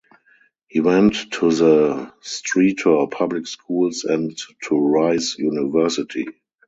He went to the Streator public schools and to Rice University.